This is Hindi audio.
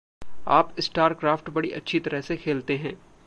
आप स्टारक्राफ़्ट बड़ी अच्छी तरह से खेलते हैं।